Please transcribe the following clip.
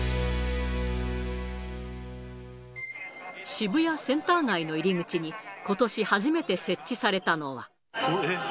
渋谷センター街の入り口に、ことし初めて設置されたのは。